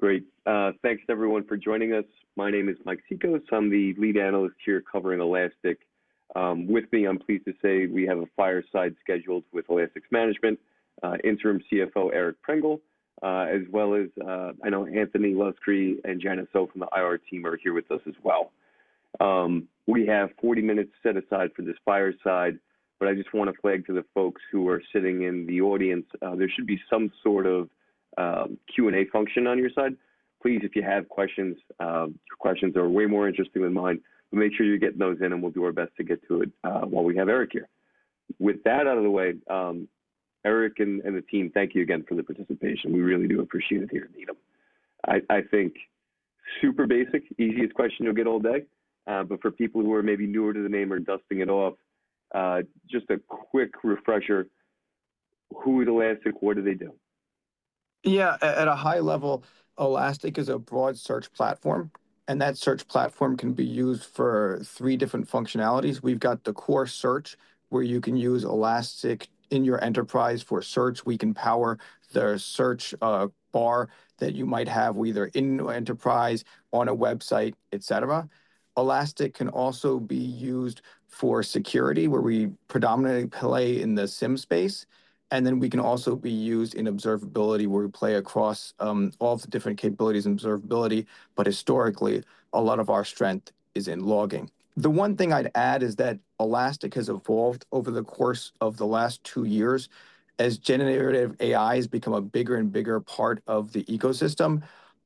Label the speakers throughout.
Speaker 1: Great. Thanks everyone for joining us. My name is Mike Sicos. I'm the lead analyst here covering Elastic. With me, I'm pleased to say we have a fireside scheduled with Elastic's management, Interim CFO Eric Prengel, as well as, I know Anthony Luscri and Janice Oh from the IR team are here with us as well. We have 40 minutes set aside for this fireside, but I just want to flag to the folks who are sitting in the audience, there should be some sort of Q&A function on your side. Please, if you have questions, your questions are way more interesting than mine, but make sure you're getting those in, and we'll do our best to get to it, while we have Eric here. With that out of the way, Eric and the team, thank you again for the participation. We really do appreciate it here in Needham. I think super basic, easiest question you'll get all day, but for people who are maybe newer to the name or dusting it off, just a quick refresher. Who is Elastic? What do they do?
Speaker 2: Yeah, at a high level, Elastic is a broad search platform, and that search platform can be used for three different functionalities. We've got the core search, where you can use Elastic in your enterprise for search. We can power the search bar that you might have either in enterprise, on a website, etc. Elastic can also be used for security, where we predominantly play in the SIEM space, and then we can also be used in observability, where we play across all the different capabilities in observability. But historically, a lot of our strength is in logging. The one thing I'd add is that Elastic has evolved over the course of the last two years. As generative AI has become a bigger and bigger part of the ecosystem,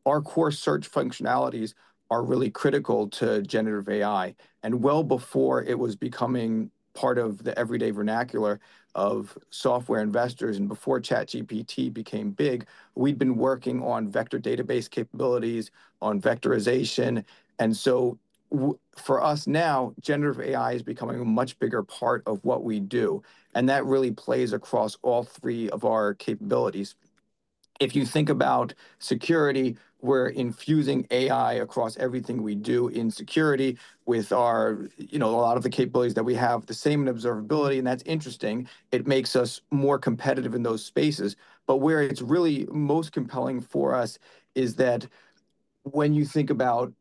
Speaker 2: our core search functionalities are really critical to generative AI. Well before it was becoming part of the everyday vernacular of software investors, and before ChatGPT became big, we'd been working on vector database capabilities, on vectorization. And so, for us now, generative AI is becoming a much bigger part of what we do, and that really plays across all three of our capabilities. If you think about security, we're infusing AI across everything we do in security with our, you know, a lot of the capabilities that we have, the same in observability, and that's interesting. It makes us more competitive in those spaces. But where it's really most compelling for us is that when you think about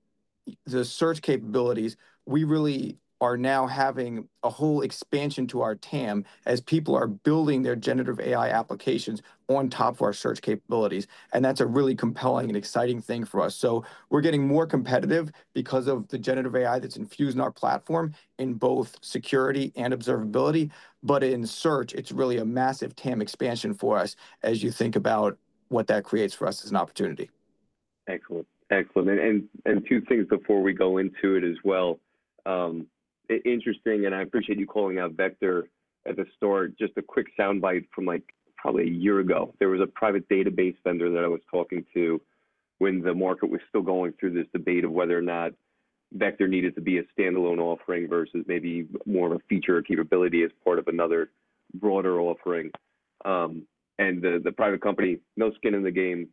Speaker 2: the search capabilities, we really are now having a whole expansion to our TAM as people are building their generative AI applications on top of our search capabilities, and that's a really compelling and exciting thing for us. So we're getting more competitive because of the generative AI that's infused in our platform in both security and observability, but in search, it's really a massive TAM expansion for us as you think about what that creates for us as an opportunity.
Speaker 1: Excellent. Excellent. And two things before we go into it as well. Interesting, and I appreciate you calling out vector at the start. Just a quick soundbite from, like, probably a year ago. There was a private database vendor that I was talking to when the market was still going through this debate of whether or not vector needed to be a standalone offering versus maybe more of a feature or capability as part of another broader offering, and the private company, no skin in the game,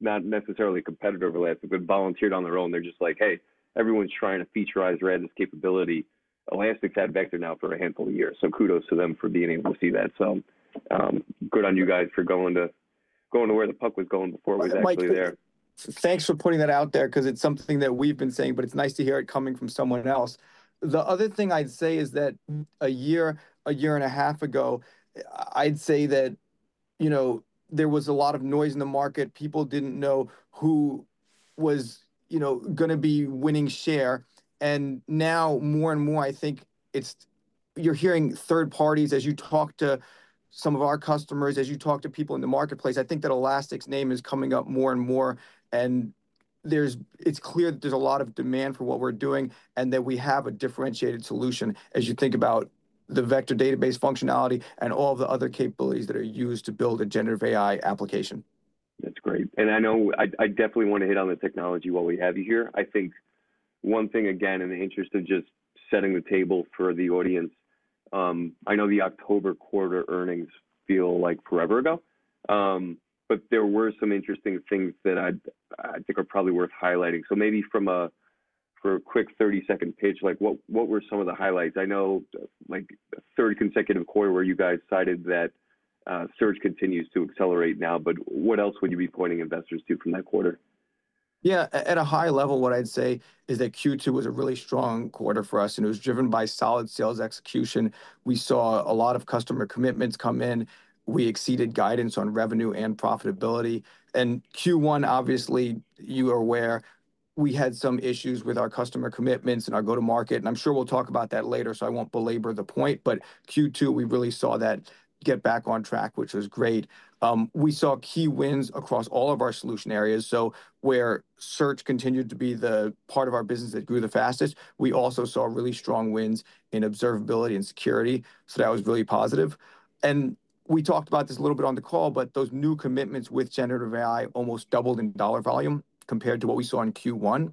Speaker 1: not necessarily a competitor of Elastic, but volunteered on their own. They're just like, "Hey, everyone's trying to featurize RAG's capability." Elastic's had vector now for a handful of years, so kudos to them for being able to see that. Good on you guys for going to where the puck was going before it was actually there.
Speaker 2: Thanks for putting that out there, 'cause it's something that we've been saying, but it's nice to hear it coming from someone else. The other thing I'd say is that a year, a year and a half ago, I'd say that, you know, there was a lot of noise in the market. People didn't know who was, you know, gonna be winning share. And now more and more, I think it's, you're hearing third parties as you talk to some of our customers, as you talk to people in the marketplace. I think that Elastic's name is coming up more and more, and there's, it's clear that there's a lot of demand for what we're doing and that we have a differentiated solution as you think about the vector database functionality and all of the other capabilities that are used to build a generative AI application.
Speaker 1: That's great. And I know I definitely wanna hit on the technology while we have you here. I think one thing, again, in the interest of just setting the table for the audience, I know the October quarter earnings feel like forever ago, but there were some interesting things that I think are probably worth highlighting. So maybe for a quick 30-second pitch, like, what were some of the highlights? I know, like, third consecutive quarter where you guys cited that search continues to accelerate now, but what else would you be pointing investors to from that quarter?
Speaker 2: Yeah, at a high level, what I'd say is that Q2 was a really strong quarter for us, and it was driven by solid sales execution. We saw a lot of customer commitments come in. We exceeded guidance on revenue and profitability, and Q1, obviously, you are aware, we had some issues with our customer commitments and our go-to-market, and I'm sure we'll talk about that later, so I won't belabor the point, but Q2, we really saw that get back on track, which was great. We saw key wins across all of our solution areas, so where search continued to be the part of our business that grew the fastest, we also saw really strong wins in observability and security, so that was really positive. We talked about this a little bit on the call, but those new commitments with generative AI almost doubled in dollar volume compared to what we saw in Q1.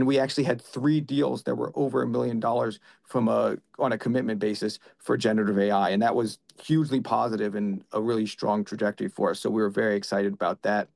Speaker 2: We actually had three deals that were over $1 million from a, on a commitment basis for generative AI, and that was hugely positive and a really strong trajectory for us, so we were very excited about that.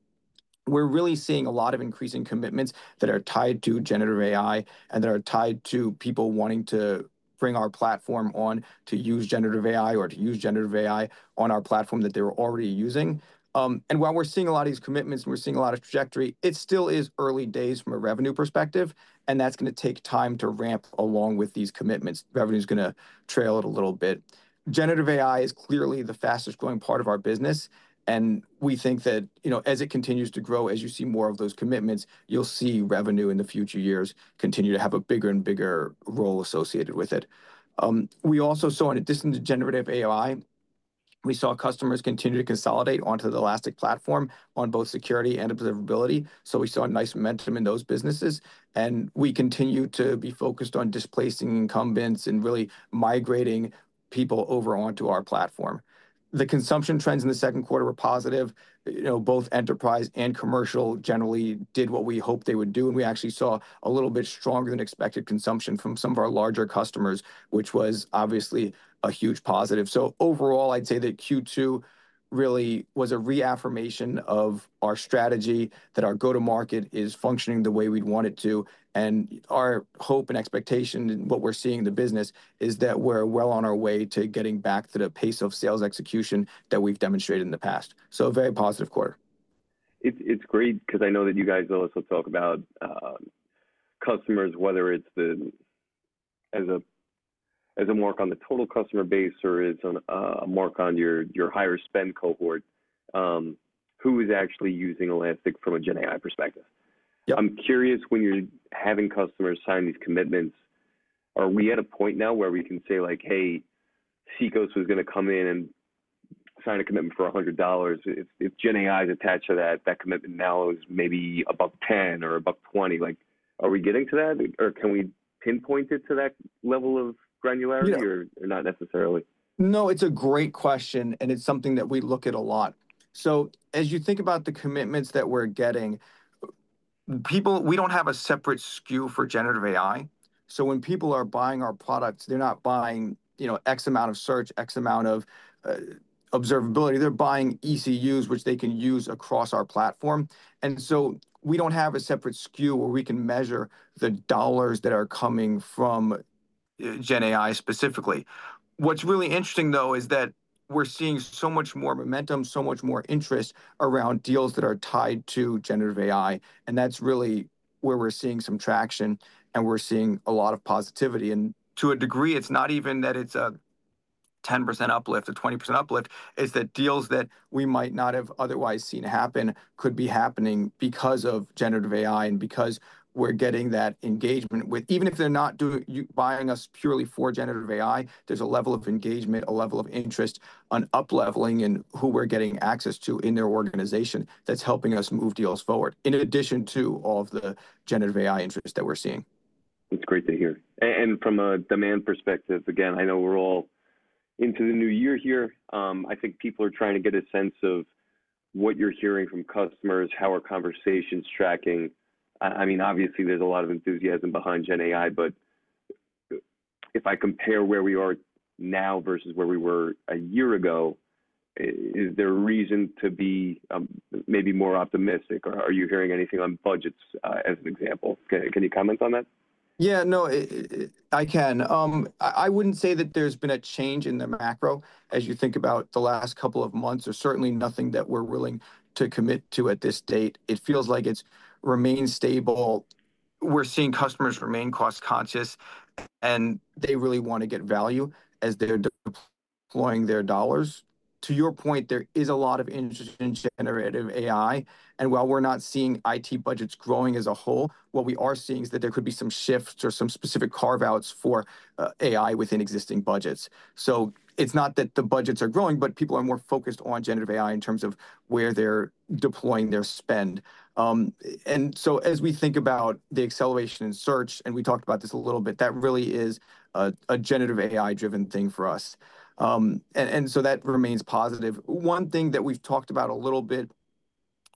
Speaker 2: We're really seeing a lot of increasing commitments that are tied to generative AI and that are tied to people wanting to bring our platform on to use generative AI or to use generative AI on our platform that they were already using. While we're seeing a lot of these commitments and we're seeing a lot of trajectory, it still is early days from a revenue perspective, and that's gonna take time to ramp along with these commitments. Revenue's gonna trail it a little bit. Generative AI is clearly the fastest growing part of our business, and we think that, you know, as it continues to grow, as you see more of those commitments, you'll see revenue in the future years continue to have a bigger and bigger role associated with it. We also saw, in addition to generative AI, we saw customers continue to consolidate onto the Elastic platform on both security and observability, so we saw a nice momentum in those businesses, and we continue to be focused on displacing incumbents and really migrating people over onto our platform. The consumption trends in the second quarter were positive. You know, both enterprise and commercial generally did what we hoped they would do, and we actually saw a little bit stronger than expected consumption from some of our larger customers, which was obviously a huge positive. So overall, I'd say that Q2 really was a reaffirmation of our strategy, that our go-to-market is functioning the way we'd want it to, and our hope and expectation and what we're seeing in the business is that we're well on our way to getting back to the pace of sales execution that we've demonstrated in the past. So a very positive quarter.
Speaker 1: It's great 'cause I know that you guys will also talk about customers, whether it's as a mark on the total customer base or it's a mark on your higher spend cohort, who is actually using Elastic from a GenAI perspective?
Speaker 2: Yeah.
Speaker 1: I'm curious, when you're having customers sign these commitments, are we at a point now where we can say, like, "Hey, Sicos was gonna come in and sign a commitment for $100." If GenAI's attached to that, that commitment now is maybe above 10 or above 20, like, are we getting to that, or can we pinpoint it to that level of granularity?
Speaker 2: Yeah.
Speaker 1: Or not necessarily?
Speaker 2: No, it's a great question, and it's something that we look at a lot. So as you think about the commitments that we're getting, people, we don't have a separate SKU for generative AI, so when people are buying our products, they're not buying, you know, X amount of search, X amount of, observability. They're buying ECUs, which they can use across our platform, and so we don't have a separate SKU where we can measure the dollars that are coming from GenAI specifically. What's really interesting, though, is that we're seeing so much more momentum, so much more interest around deals that are tied to generative AI, and that's really where we're seeing some traction, and we're seeing a lot of positivity. And to a degree, it's not even that it's a 10% uplift or 20% uplift. It's that deals that we might not have otherwise seen happen could be happening because of generative AI and because we're getting that engagement with, even if they're not doing you buying us purely for generative AI. There's a level of engagement, a level of interest on upleveling and who we're getting access to in their organization that's helping us move deals forward, in addition to all of the generative AI interest that we're seeing.
Speaker 1: That's great to hear. And from a demand perspective, again, I know we're all into the new year here. I think people are trying to get a sense of what you're hearing from customers, how are conversations tracking. I mean, obviously, there's a lot of enthusiasm behind GenAI, but if I compare where we are now versus where we were a year ago, is there a reason to be, maybe more optimistic? Or are you hearing anything on budgets, as an example? Can you comment on that?
Speaker 2: Yeah, no, I can. I wouldn't say that there's been a change in the macro as you think about the last couple of months. There's certainly nothing that we're willing to commit to at this date. It feels like it's remained stable. We're seeing customers remain cost-conscious, and they really wanna get value as they're deploying their dollars. To your point, there is a lot of interest in generative AI, and while we're not seeing IT budgets growing as a whole, what we are seeing is that there could be some shifts or some specific carve-outs for AI within existing budgets. So it's not that the budgets are growing, but people are more focused on generative AI in terms of where they're deploying their spend. And so as we think about the acceleration in search, and we talked about this a little bit, that really is a generative AI-driven thing for us. And so that remains positive. One thing that we've talked about a little bit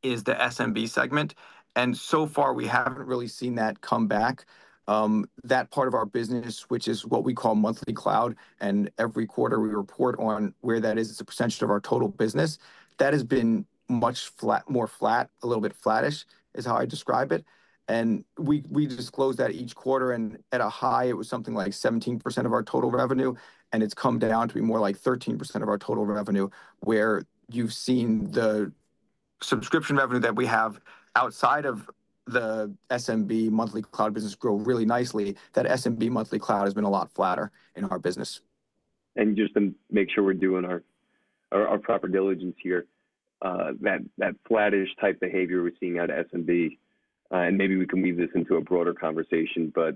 Speaker 2: is the SMB segment, and so far we haven't really seen that come back. That part of our business, which is what we call monthly cloud, and every quarter we report on where that is, it's a percentage of our total business. That has been much flat, more flat, a little bit flattish is how I'd describe it, and we disclose that each quarter, and at a high, it was something like 17% of our total revenue, and it's come down to be more like 13% of our total revenue, where you've seen the subscription revenue that we have outside of the SMB monthly cloud business grow really nicely. That SMB monthly cloud has been a lot flatter in our business.
Speaker 1: Just to make sure we're doing our proper diligence here, that flattish-type behavior we're seeing out of SMB, and maybe we can weave this into a broader conversation, but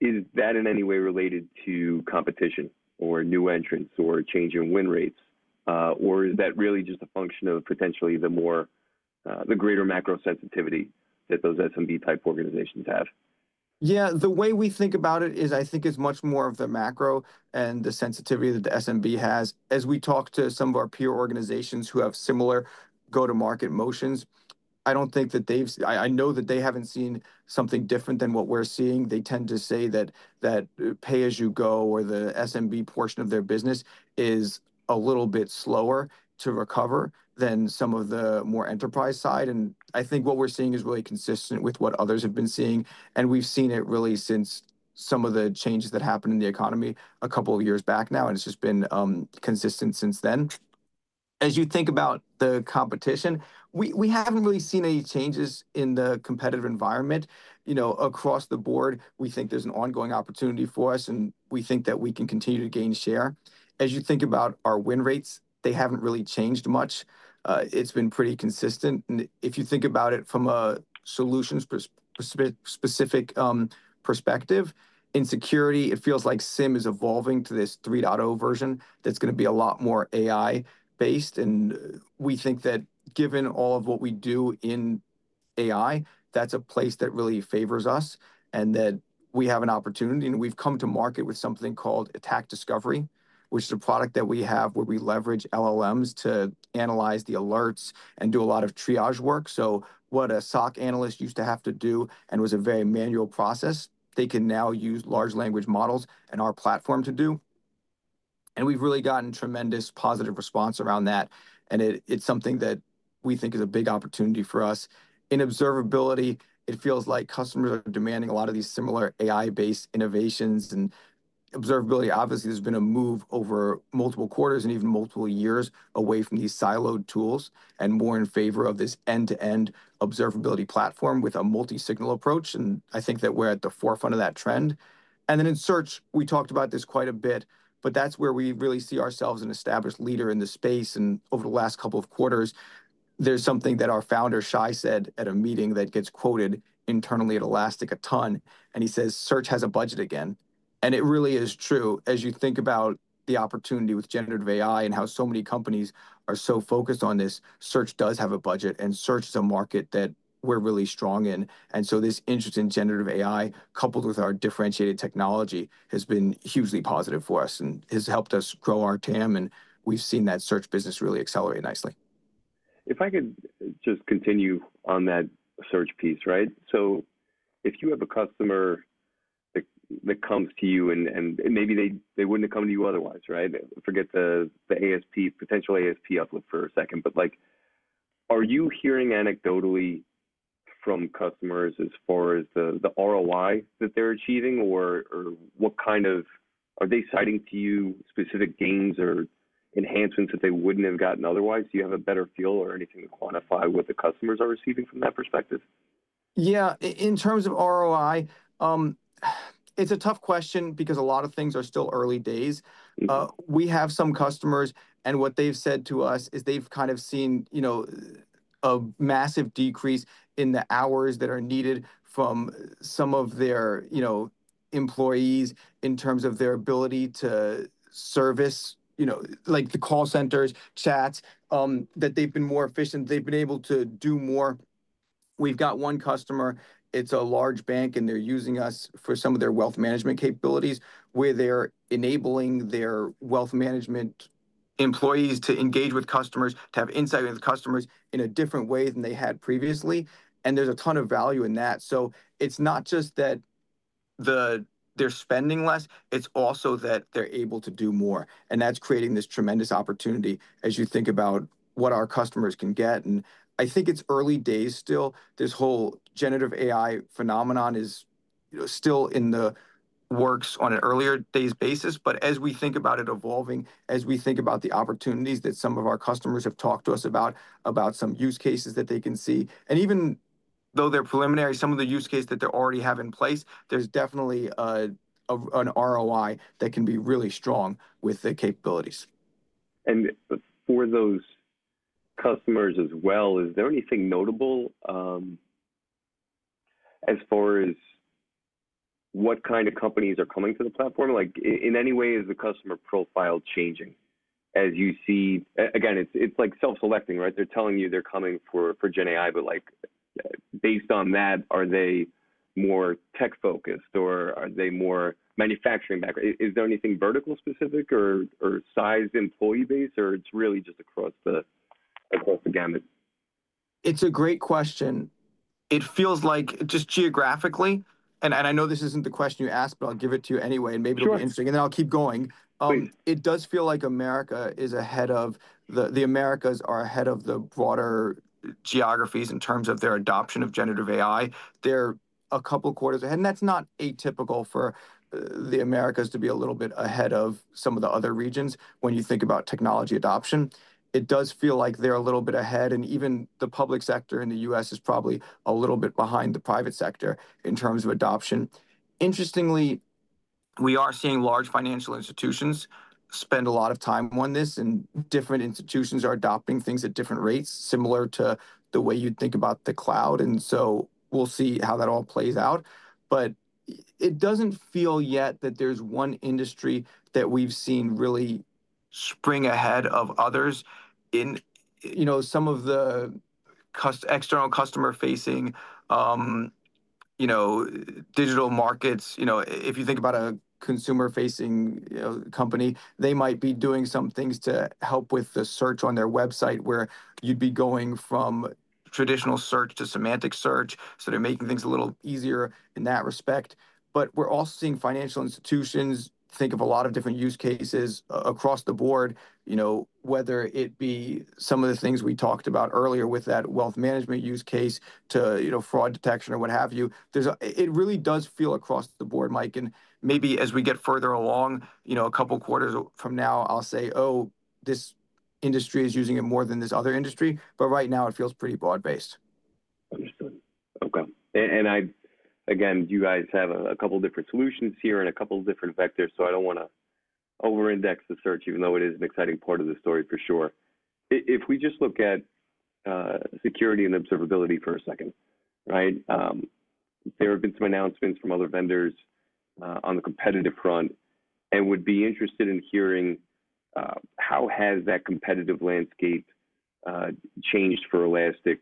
Speaker 1: is that in any way related to competition or new entrants or change in win rates? Or is that really just a function of potentially the greater macro sensitivity that those SMB-type organizations have?
Speaker 2: Yeah, the way we think about it is, I think, is much more of the macro and the sensitivity that the SMB has. As we talk to some of our peer organizations who have similar go-to-market motions, I don't think that they've, I know that they haven't seen something different than what we're seeing. They tend to say that pay-as-you-go or the SMB portion of their business is a little bit slower to recover than some of the more enterprise side, and I think what we're seeing is really consistent with what others have been seeing, and we've seen it really since some of the changes that happened in the economy a couple of years back now, and it's just been consistent since then. As you think about the competition, we haven't really seen any changes in the competitive environment, you know, across the board. We think there's an ongoing opportunity for us, and we think that we can continue to gain share. As you think about our win rates, they haven't really changed much. It's been pretty consistent, and if you think about it from a solutions perspective, in security, it feels like SIEM is evolving to this 3.0 version that's gonna be a lot more AI-based, and we think that given all of what we do in AI, that's a place that really favors us and that we have an opportunity. And we've come to market with something called Attack Discovery, which is a product that we have where we leverage LLMs to analyze the alerts and do a lot of triage work. So what a SOC analyst used to have to do and was a very manual process, they can now use large language models and our platform to do. And we've really gotten tremendous positive response around that, and it, it's something that we think is a big opportunity for us. In observability, it feels like customers are demanding a lot of these similar AI-based innovations, and observability, obviously, there's been a move over multiple quarters and even multiple years away from these siloed tools and more in favor of this end-to-end observability platform with a multi-signal approach, and I think that we're at the forefront of that trend. And then in search, we talked about this quite a bit, but that's where we really see ourselves an established leader in the space. And over the last couple of quarters, there's something that our founder, Shay, said at a meeting that gets quoted internally at Elastic a ton, and he says, "Search has a budget again." And it really is true. As you think about the opportunity with generative AI and how so many companies are so focused on this, search does have a budget, and search is a market that we're really strong in. And so this interest in generative AI, coupled with our differentiated technology, has been hugely positive for us and has helped us grow our TAM, and we've seen that search business really accelerate nicely.
Speaker 1: If I could just continue on that search piece, right? So if you have a customer that comes to you and maybe they wouldn't have come to you otherwise, right? Forget the ASP, potential ASP uplift for a second, but like, are you hearing anecdotally from customers as far as the ROI that they're achieving, or what kind of, are they citing to you specific gains or enhancements that they wouldn't have gotten otherwise? Do you have a better feel or anything to quantify what the customers are receiving from that perspective?
Speaker 2: Yeah, in terms of ROI, it's a tough question because a lot of things are still early days.
Speaker 1: Mm-hmm.
Speaker 2: We have some customers, and what they've said to us is they've kind of seen, you know, a massive decrease in the hours that are needed from some of their, you know, employees in terms of their ability to service, you know, like the call centers, chats, that they've been more efficient. They've been able to do more. We've got one customer, it's a large bank, and they're using us for some of their wealth management capabilities where they're enabling their wealth management employees to engage with customers, to have insight with customers in a different way than they had previously, and there's a ton of value in that. So it's not just that they're spending less, it's also that they're able to do more, and that's creating this tremendous opportunity as you think about what our customers can get, and I think it's early days still. This whole Generative AI phenomenon is, you know, still in the works on an early days basis, but as we think about it evolving, as we think about the opportunities that some of our customers have talked to us about some use cases that they can see, and even though they're preliminary, some of the use case that they already have in place, there's definitely an ROI that can be really strong with the capabilities.
Speaker 1: And for those customers as well, is there anything notable, as far as what kind of companies are coming to the platform? Like, in any way, is the customer profile changing as you see? Again, it's like self-selecting, right? They're telling you they're coming for GenAI, but like, based on that, are they more tech-focused or are they more manufacturing background? Is there anything vertical specific or size employee base, or it's really just across the gamut?
Speaker 2: It's a great question. It feels like just geographically, and, and I know this isn't the question you asked, but I'll give it to you anyway, and maybe it'll be interesting, and then I'll keep going.
Speaker 1: Please.
Speaker 2: It does feel like America is ahead of the Americas are ahead of the broader geographies in terms of their adoption of generative AI. They're a couple quarters ahead, and that's not atypical for the Americas to be a little bit ahead of some of the other regions when you think about technology adoption. It does feel like they're a little bit ahead, and even the public sector in the U.S. is probably a little bit behind the private sector in terms of adoption. Interestingly, we are seeing large financial institutions spend a lot of time on this, and different institutions are adopting things at different rates, similar to the way you'd think about the cloud, and so we'll see how that all plays out. But it doesn't feel yet that there's one industry that we've seen really spring ahead of others in, you know, some of the customer-facing, you know, digital markets. You know, if you think about a consumer-facing, you know, company, they might be doing some things to help with the search on their website where you'd be going from traditional search to semantic search, so they're making things a little easier in that respect. But we're also seeing financial institutions think of a lot of different use cases across the board, you know, whether it be some of the things we talked about earlier with that wealth management use case to, you know, fraud detection or what have you. It really does feel across the board, Mike, and maybe as we get further along, you know, a couple quarters from now, I'll say, "Oh, this industry is using it more than this other industry," but right now it feels pretty broad-based.
Speaker 1: Understood. Okay. And I, again, you guys have a couple different solutions here and a couple different vectors, so I don't wanna over-index the search, even though it is an exciting part of the story for sure. If we just look at security and observability for a second, right? There have been some announcements from other vendors on the competitive front, and would be interested in hearing how has that competitive landscape changed for Elastic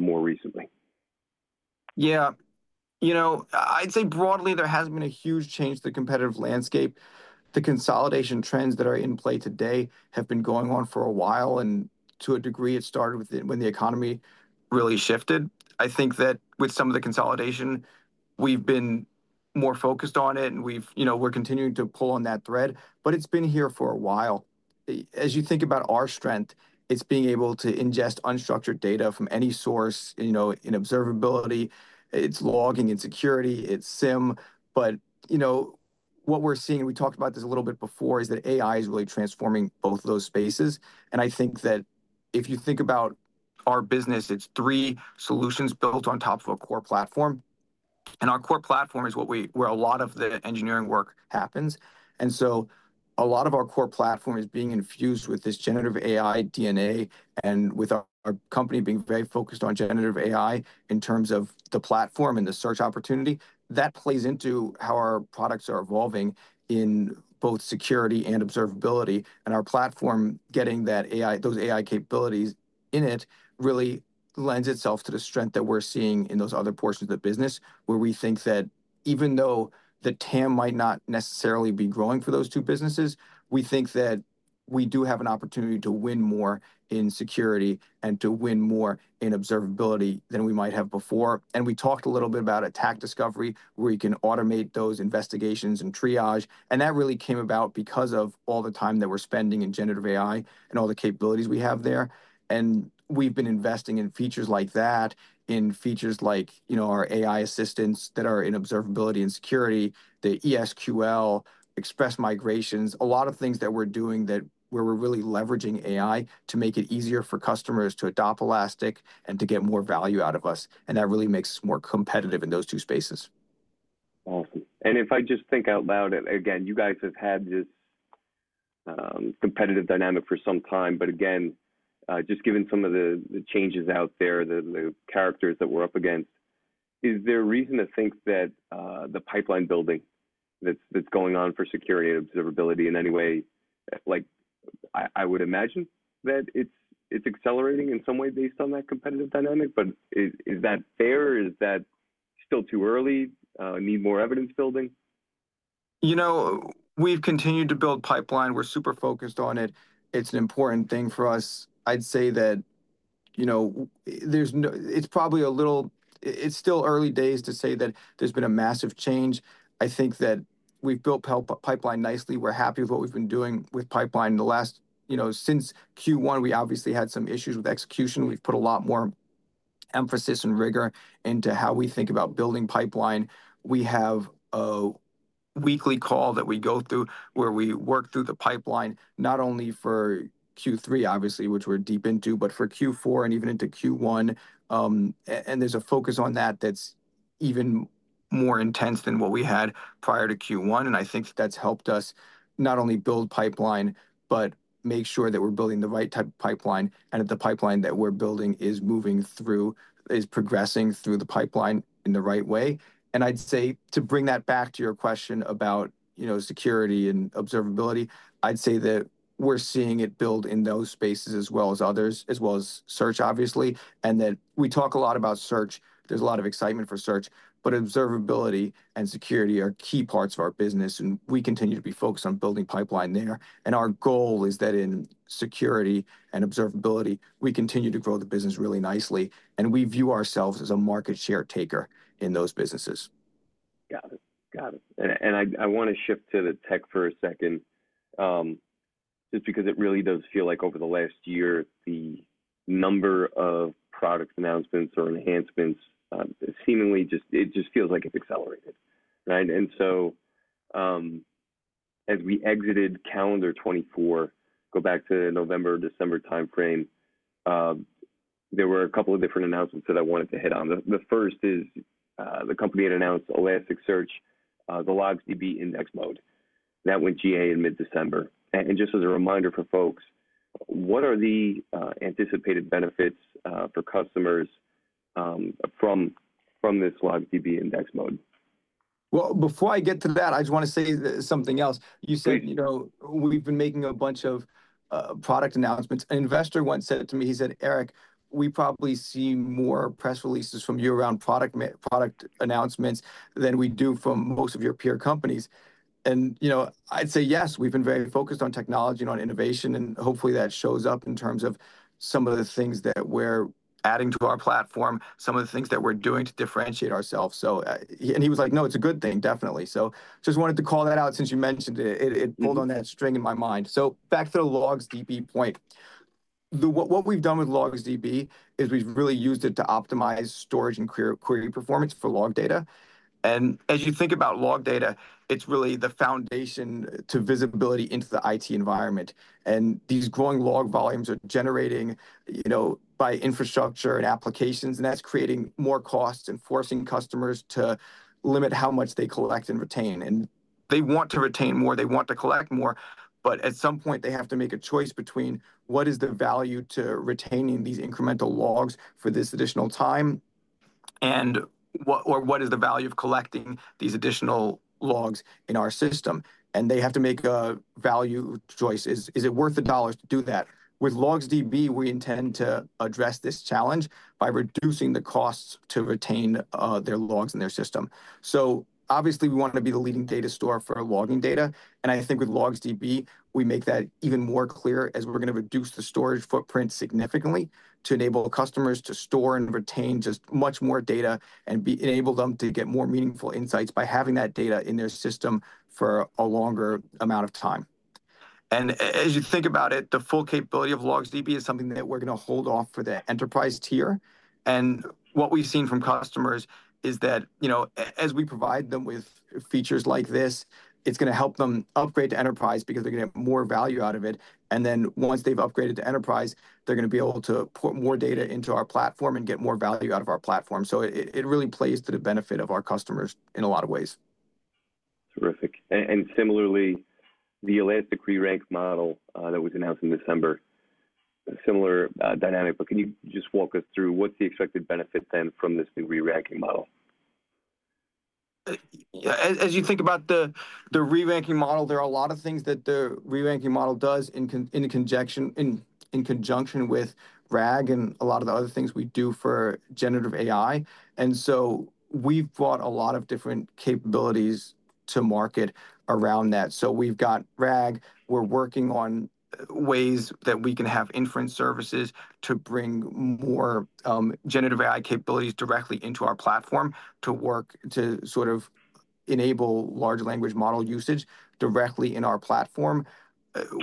Speaker 1: more recently?
Speaker 2: You know, I'd say broadly there hasn't been a huge change to the competitive landscape. The consolidation trends that are in play today have been going on for a while, and to a degree it started with when the economy really shifted. I think that with some of the consolidation, we've been more focused on it, and we've, you know, we're continuing to pull on that thread, but it's been here for a while. As you think about our strength, it's being able to ingest unstructured data from any source, you know, in observability. It's logging and security. It's SIEM. But, you know, what we're seeing, we talked about this a little bit before, is that AI is really transforming both of those spaces, and I think that if you think about our business, it's three solutions built on top of a core platform, and our core platform is what we, where a lot of the engineering work happens, and so a lot of our core platform is being infused with this generative AI DNA, and with our company being very focused on generative AI in terms of the platform and the search opportunity, that plays into how our products are evolving in both security and observability. And our platform getting that AI, those AI capabilities in it really lends itself to the strength that we're seeing in those other portions of the business, where we think that even though the TAM might not necessarily be growing for those two businesses, we think that we do have an opportunity to win more in security and to win more in observability than we might have before. And we talked a little bit about Attack Discovery, where you can automate those investigations and triage, and that really came about because of all the time that we're spending in generative AI and all the capabilities we have there. We've been investing in features like that, in features like, you know, our AI assistants that are in observability and security, the ES|QL, express migrations, a lot of things that we're doing that where we're really leveraging AI to make it easier for customers to adopt Elastic and to get more value out of us, and that really makes us more competitive in those two spaces.
Speaker 1: Awesome. And if I just think out loud, and again, you guys have had this competitive dynamic for some time, but again, just given some of the changes out there, the characters that we're up against, is there a reason to think that the pipeline building that's going on for security and observability in any way, like, I would imagine that it's accelerating in some way based on that competitive dynamic, but is that fair? Is that still too early? Need more evidence building?
Speaker 2: You know, we've continued to build pipeline. We're super focused on it. It's an important thing for us. I'd say that, you know, it's probably a little. It's still early days to say that there's been a massive change. I think that we've built pipeline nicely. We're happy with what we've been doing with pipeline in the last, you know, since Q1. We obviously had some issues with execution. We've put a lot more emphasis and rigor into how we think about building pipeline. We have a weekly call that we go through where we work through the pipeline, not only for Q3, obviously, which we're deep into, but for Q4 and even into Q1. and there's a focus on that that's even more intense than what we had prior to Q1, and I think that that's helped us not only build pipeline, but make sure that we're building the right type of pipeline and that the pipeline that we're building is moving through, is progressing through the pipeline in the right way, and I'd say to bring that back to your question about, you know, security and observability. I'd say that we're seeing it build in those spaces as well as others, as well as search, obviously, and that we talk a lot about search. There's a lot of excitement for search, but observability and security are key parts of our business, and we continue to be focused on building pipeline there. Our goal is that in security and observability, we continue to grow the business really nicely, and we view ourselves as a market share taker in those businesses.
Speaker 1: Got it. And I wanna shift to the tech for a second, just because it really does feel like over the last year, the number of product announcements or enhancements, seemingly just, it just feels like it's accelerated, right? And so, as we exited calendar 2024, go back to November, December timeframe, there were a couple of different announcements that I wanted to hit on. The first is, the company had announced Elasticsearch LogsDB index mode. That went GA in mid-December. And just as a reminder for folks, what are the anticipated benefits for customers from this LogsDB index mode?
Speaker 2: Before I get to that, I just wanna say something else. You said, you know, we've been making a bunch of product announcements. An investor once said to me, he said, "Eric, we probably see more press releases from you around product announcements than we do from most of your peer companies." And, you know, I'd say yes, we've been very focused on technology and on innovation, and hopefully that shows up in terms of some of the things that we're adding to our platform, some of the things that we're doing to differentiate ourselves. So, and he was like, "No, it's a good thing, definitely." So just wanted to call that out since you mentioned it. It pulled on that string in my mind. So back to the LogsDB point. What we've done with LogsDB is we've really used it to optimize storage and query performance for log data. As you think about log data, it's really the foundation to visibility into the IT environment. And these growing log volumes are generated, you know, by infrastructure and applications, and that's creating more costs and forcing customers to limit how much they collect and retain. And they want to retain more. They want to collect more, but at some point they have to make a choice between what is the value to retaining these incremental logs for this additional time and what is the value of collecting these additional logs in our system. And they have to make a value choice. Is it worth the dollars to do that? With LogsDB, we intend to address this challenge by reducing the costs to retain their logs in their system, so obviously we wanna be the leading data store for logging data, and I think with LogsDB we make that even more clear as we're gonna reduce the storage footprint significantly to enable customers to store and retain just much more data and enable them to get more meaningful insights by having that data in their system for a longer amount of time, and as you think about it, the full capability of LogsDB is something that we're gonna hold off for the enterprise tier, and what we've seen from customers is that, you know, as we provide them with features like this, it's gonna help them upgrade to enterprise because they're gonna get more value out of it. And then once they've upgraded to enterprise, they're gonna be able to put more data into our platform and get more value out of our platform. So it really plays to the benefit of our customers in a lot of ways.
Speaker 1: Terrific. And similarly, the Elastic Rerank model, that was announced in December, similar, dynamic, but can you just walk us through what's the expected benefit then from this new reranking model?
Speaker 2: As you think about the reranking model, there are a lot of things that the reranking model does in conjunction with RAG and a lot of the other things we do for generative AI. And so we've brought a lot of different capabilities to market around that. We've got RAG. We're working on ways that we can have inference services to bring more generative AI capabilities directly into our platform to sort of enable large language model usage directly in our platform.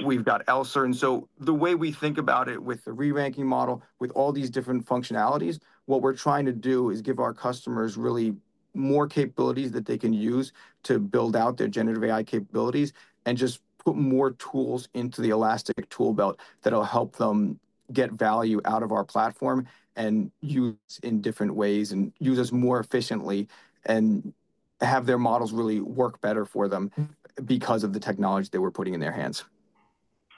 Speaker 2: We've got ELSER. The way we think about it with the reranking model, with all these different functionalities, what we're trying to do is give our customers really more capabilities that they can use to build out their generative AI capabilities and just put more tools into the Elastic toolbelt that'll help them get value out of our platform and use in different ways and use us more efficiently and have their models really work better for them because of the technology that we're putting in their hands.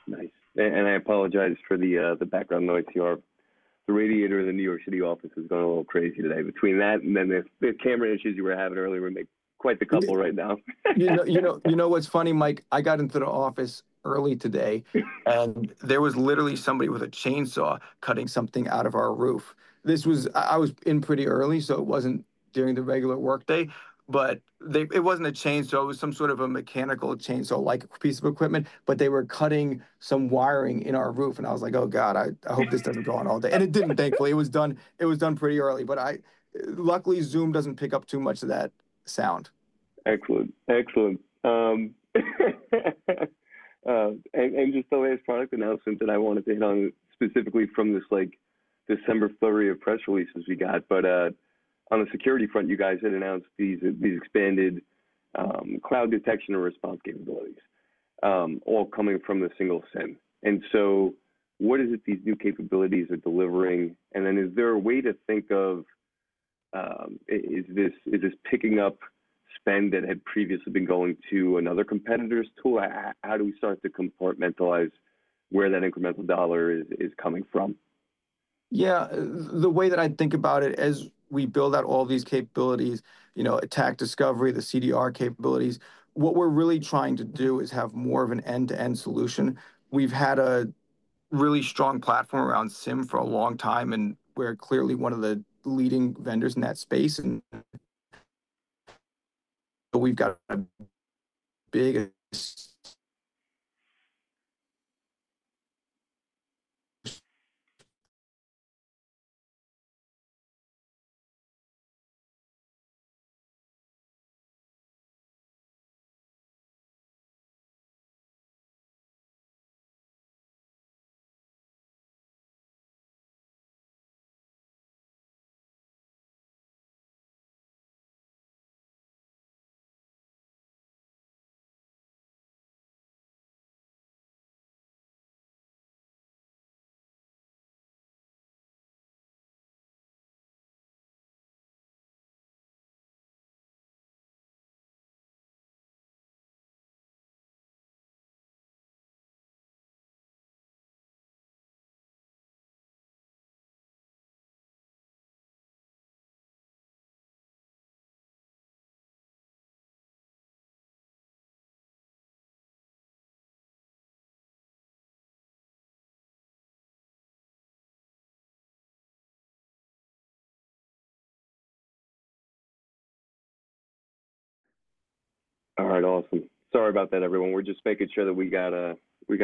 Speaker 1: Nice. And I apologize for the background noise. The radiator in the New York City office has gone a little crazy today between that and the camera issues you were having earlier. We make quite the couple right now.
Speaker 2: You know what's funny, Mike? I got into the office early today, and there was literally somebody with a chainsaw cutting something out of our roof. I was in pretty early, so it wasn't during the regular workday, but it wasn't a chainsaw. It was some sort of a mechanical chainsaw-like piece of equipment, but they were cutting some wiring in our roof. And I was like, "Oh God, I hope this doesn't go on all day." And it didn't, thankfully. It was done pretty early, but I luckily Zoom doesn't pick up too much of that sound.
Speaker 1: Excellent. And just the last product announcement that I wanted to hit on specifically from this, like, December flurry of press releases we got. But, on the security front, you guys had announced these expanded Cloud Detection and Response capabilities, all coming from the single SIEM. And so what is it these new capabilities are delivering? And then is there a way to think of, is this picking up spend that had previously been going to another competitor's tool? How do we start to compartmentalize where that incremental dollar is coming from?
Speaker 2: Yeah. The way that I think about it, as we build out all these capabilities, you know, Attack Discovery, the CDR capabilities, what we're really trying to do is have more of an end-to-end solution. We've had a really strong platform around SIEM for a long time, and we're clearly one of the leading vendors in that space. And we've got a big
Speaker 1: All right. Awesome. Sorry about that, everyone. We're just making sure that we got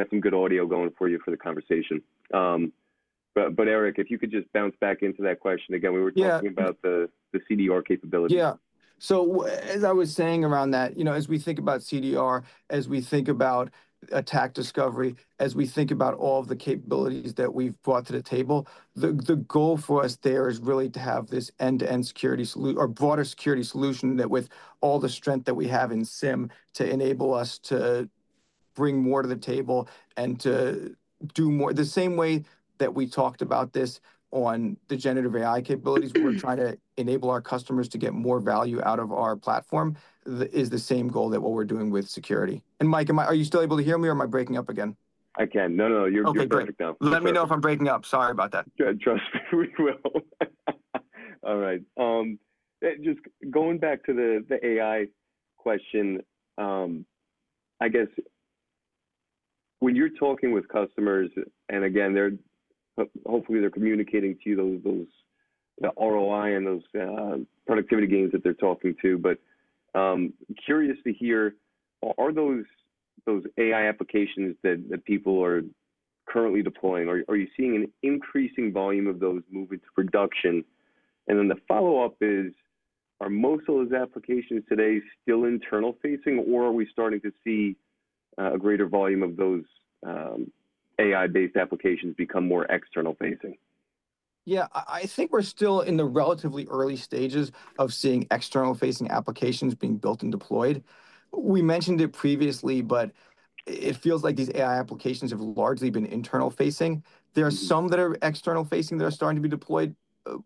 Speaker 1: some good audio going for you for the conversation. But Eric, if you could just bounce back into that question again. We were talking about the CDR capabilities.
Speaker 2: Yeah. So as I was saying around that, you know, as we think about CDR, as we think about Attack Discovery, as we think about all of the capabilities that we've brought to the table, the goal for us there is really to have this end-to-end security solution or broader security solution that with all the strength that we have in SIEM to enable us to bring more to the table and to do more the same way that we talked about this on the generative AI capabilities. We're trying to enable our customers to get more value out of our platform. That is the same goal as what we're doing with security. And Mike, am I, are you still able to hear me or am I breaking up again?
Speaker 1: I can. No, no, no. You're perfect now.
Speaker 2: Okay. Let me know if I'm breaking up. Sorry about that.
Speaker 1: Good. Trust me, we will. All right. Just going back to the AI question, I guess when you're talking with customers, and again, they're hopefully communicating to you those the ROI and those productivity gains that they're talking to. But curious to hear, are those AI applications that people are currently deploying, or are you seeing an increasing volume of those moving to production? And then the follow-up is, are most of those applications today still internal facing, or are we starting to see a greater volume of those AI-based applications become more external facing?
Speaker 2: Yeah. I, I think we're still in the relatively early stages of seeing external facing applications being built and deployed. We mentioned it previously, but it feels like these AI applications have largely been internal facing. There are some that are external facing that are starting to be deployed,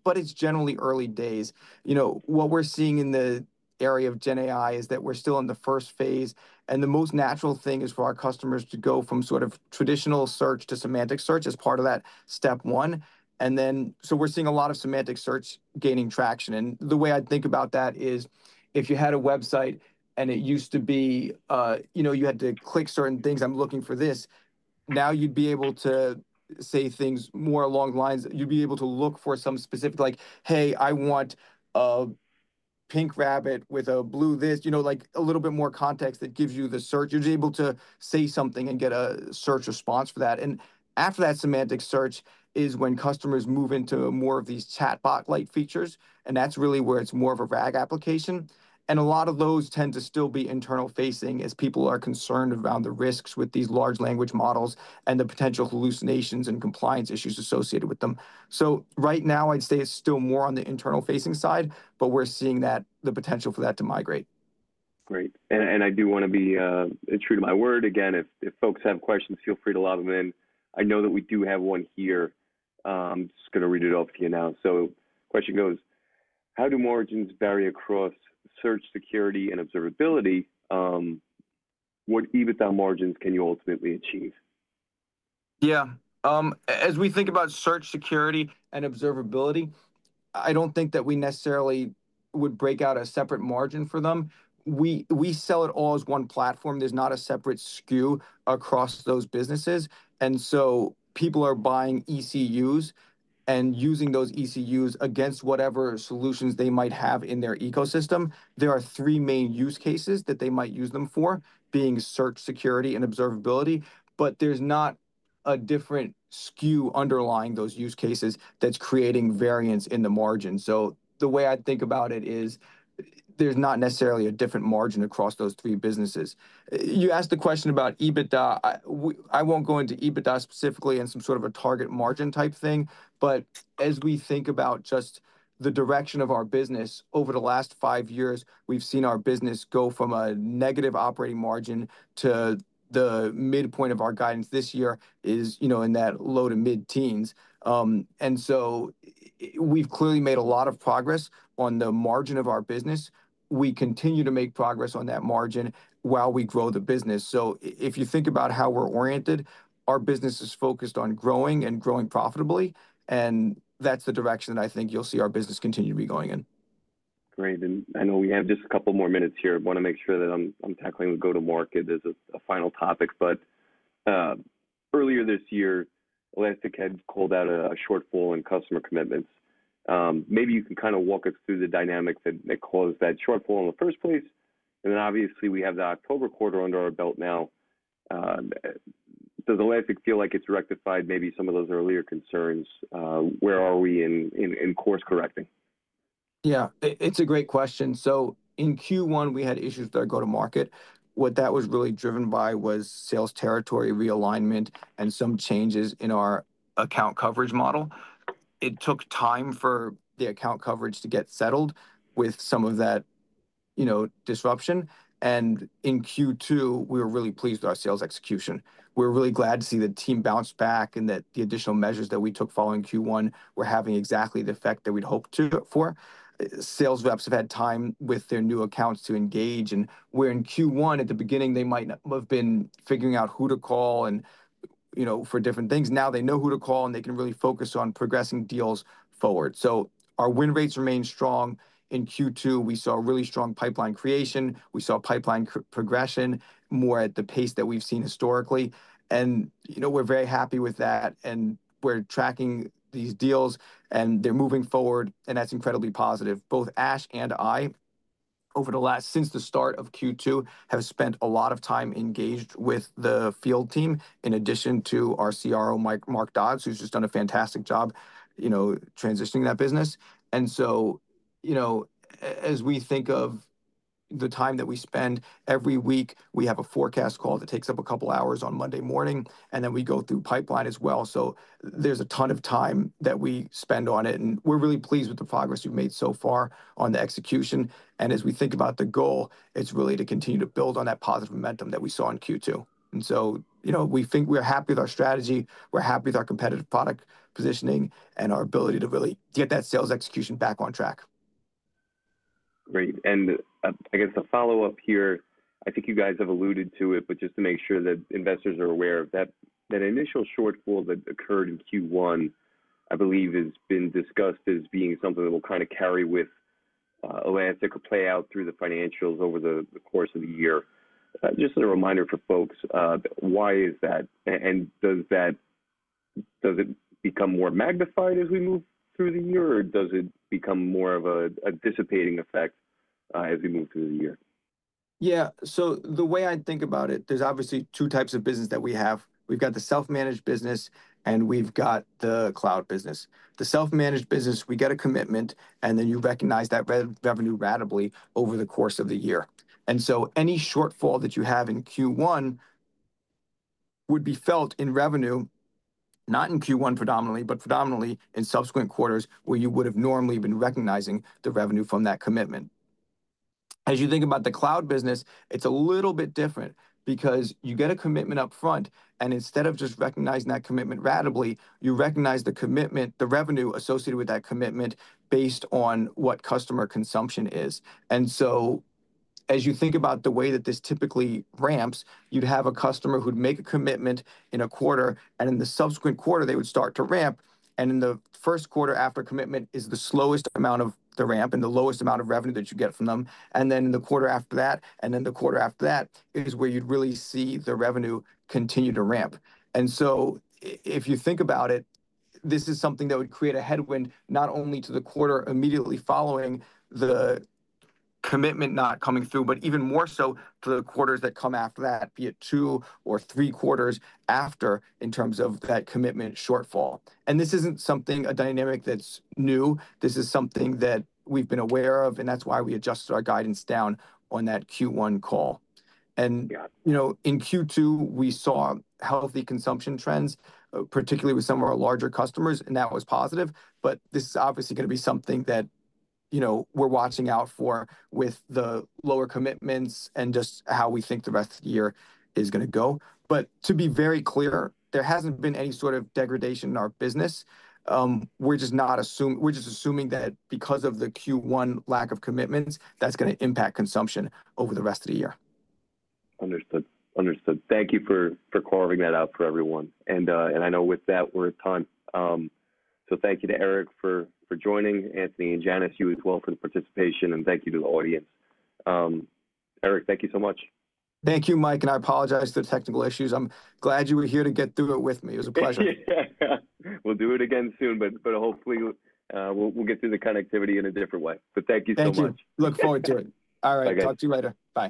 Speaker 2: but it's generally early days. You know, what we're seeing in the area of Gen AI is that we're still in the first phase, and the most natural thing is for our customers to go from sort of traditional search to semantic search as part of that step one. And then, so we're seeing a lot of semantic search gaining traction. And the way I think about that is if you had a website and it used to be, you know, you had to click certain things, "I'm looking for this." Now you'd be able to say things more along the lines. You'd be able to look for some specific, like, "Hey, I want a pink rabbit with a blue this," you know, like a little bit more context that gives you the search. You're able to say something and get a search response for that. And after that semantic search is when customers move into more of these chatbot-like features, and that's really where it's more of a RAG application. And a lot of those tend to still be internal facing as people are concerned around the risks with these large language models and the potential hallucinations and compliance issues associated with them. So right now I'd say it's still more on the internal facing side, but we're seeing that the potential for that to migrate.
Speaker 1: Great. And I do wanna be true to my word. Again, if folks have questions, feel free to lob them in. I know that we do have one here. Just gonna read it off to you now. So the question goes, how do margins vary across search, security, and observability? What EBITDA margins can you ultimately achieve?
Speaker 2: Yeah. As we think about search, security, and observability, I don't think that we necessarily would break out a separate margin for them. We sell it all as one platform. There's not a separate SKU across those businesses. And so people are buying ECUs and using those ECUs against whatever solutions they might have in their ecosystem. There are three main use cases that they might use them for, being search, security, and observability, but there's not a different SKU underlying those use cases that's creating variance in the margin. So the way I think about it is there's not necessarily a different margin across those three businesses. You asked the question about EBITDA. I won't go into EBITDA specifically and some sort of a target margin type thing, but as we think about just the direction of our business over the last five years, we've seen our business go from a negative operating margin to the midpoint of our guidance this year is, you know, in that low to mid teens, and so we've clearly made a lot of progress on the margin of our business. We continue to make progress on that margin while we grow the business. So if you think about how we're oriented, our business is focused on growing and growing profitably, and that's the direction that I think you'll see our business continue to be going in.
Speaker 1: Great. And I know we have just a couple more minutes here. Wanna make sure that I'm tackling the go-to-market as a final topic. But, earlier this year, Elastic had called out a shortfall in customer commitments. Maybe you can kind of walk us through the dynamics that caused that shortfall in the first place. And then obviously we have the October quarter under our belt now. Does Elastic feel like it's rectified maybe some of those earlier concerns? Where are we in course correcting?
Speaker 2: Yeah. It's a great question. So in Q1, we had issues with our go-to-market. What that was really driven by was sales territory realignment and some changes in our account coverage model. It took time for the account coverage to get settled with some of that, you know, disruption. And in Q2, we were really pleased with our sales execution. We were really glad to see the team bounce back and that the additional measures that we took following Q1 were having exactly the effect that we'd hoped for. Sales reps have had time with their new accounts to engage, and we're in Q1 at the beginning, they might not have been figuring out who to call and, you know, for different things. Now they know who to call, and they can really focus on progressing deals forward. So our win rates remain strong. In Q2, we saw really strong pipeline creation. We saw pipeline progression more at the pace that we've seen historically, and, you know, we're very happy with that, and we're tracking these deals, and they're moving forward, and that's incredibly positive. Both Ash and I, over the last, since the start of Q2, have spent a lot of time engaged with the field team, in addition to our CRO, Mark Dodds, who's just done a fantastic job, you know, transitioning that business, and so, you know, as we think of the time that we spend every week, we have a forecast call that takes up a couple hours on Monday morning, and then we go through pipeline as well. So there's a ton of time that we spend on it, and we're really pleased with the progress we've made so far on the execution. And as we think about the goal, it's really to continue to build on that positive momentum that we saw in Q2. And so, you know, we think we're happy with our strategy. We're happy with our competitive product positioning and our ability to really get that sales execution back on track.
Speaker 1: Great. And I guess the follow-up here, I think you guys have alluded to it, but just to make sure that investors are aware of that, that initial shortfall that occurred in Q1, I believe has been discussed as being something that will kind of carry with Elastic or play out through the financials over the course of the year. Just as a reminder for folks, why is that? And does it become more magnified as we move through the year, or does it become more of a dissipating effect, as we move through the year?
Speaker 2: Yeah. So the way I think about it, there's obviously two types of business that we have. We've got the self-managed business, and we've got the cloud business. The self-managed business, we get a commitment, and then you recognize that revenue ratably over the course of the year. And so any shortfall that you have in Q1 would be felt in revenue, not in Q1 predominantly, but predominantly in subsequent quarters where you would've normally been recognizing the revenue from that commitment. As you think about the cloud business, it's a little bit different because you get a commitment upfront, and instead of just recognizing that commitment ratably, you recognize the commitment, the revenue associated with that commitment based on what customer consumption is. And so as you think about the way that this typically ramps, you'd have a customer who'd make a commitment in a quarter, and in the subsequent quarter, they would start to ramp. And in the first quarter after commitment is the slowest amount of the ramp and the lowest amount of revenue that you get from them. And then in the quarter after that, and then the quarter after that is where you'd really see the revenue continue to ramp. And so if you think about it, this is something that would create a headwind not only to the quarter immediately following the commitment not coming through, but even more so to the quarters that come after that, be it two or three quarters after in terms of that commitment shortfall. And this isn't something, a dynamic that's new. This is something that we've been aware of, and that's why we adjusted our guidance down on that Q1 call. And, you know, in Q2, we saw healthy consumption trends, particularly with some of our larger customers, and that was positive. But this is obviously gonna be something that, you know, we're watching out for with the lower commitments and just how we think the rest of the year is gonna go. But to be very clear, there hasn't been any sort of degradation in our business. We're just assuming that because of the Q1 lack of commitments, that's gonna impact consumption over the rest of the year.
Speaker 1: Understood. Thank you for carving that out for everyone, and I know with that, we're at time. So thank you to Eric for joining, Anthony and Janice, you as well for the participation, and thank you to the audience. Eric, thank you so much.
Speaker 2: Thank you, Mike. And I apologize for the technical issues. I'm glad you were here to get through it with me. It was a pleasure.
Speaker 1: We'll do it again soon, but hopefully, we'll get through the connectivity in a different way, but thank you so much.
Speaker 2: Thank you. Look forward to it. All right. Talk to you later. Bye.